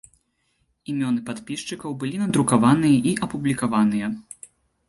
Імёны падпісчыкаў былі надрукаваныя і апублікаваныя.